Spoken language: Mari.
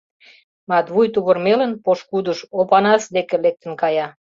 Матвуй тувырмелын пошкудыш, Опанас деке, лектын кая.